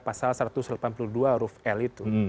pasal satu ratus delapan puluh dua huruf l itu